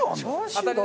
当たりだ。